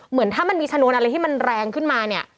เหมือนถ้ามันมีชนวนอะไรที่มันแรงขึ้นมาเนี่ย